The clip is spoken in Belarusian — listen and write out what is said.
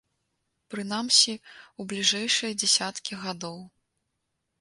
Прынамсі, у бліжэйшыя дзесяткі гадоў.